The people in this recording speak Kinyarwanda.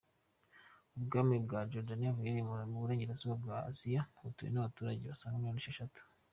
Ubwami bwa Jordanie buherereye mu burengerazuba bwa Aziya, butuwe n’abaturage basaga miliyoni esheshatu.